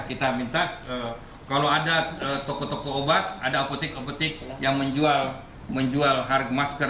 kita minta kalau ada toko toko obat ada apotek apotek yang menjual masker